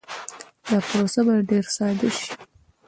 دا پروسه باید ډېر ساده شي.